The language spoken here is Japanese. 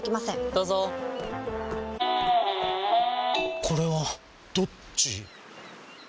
どうぞこれはどっち？